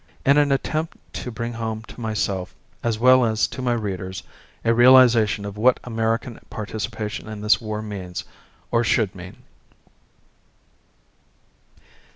In an attempt to bring home to myself, as well as to my readers, a realization of what American participation in this war means or should mean.